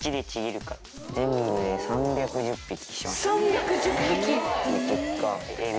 ３１０匹？